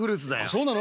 そうなの？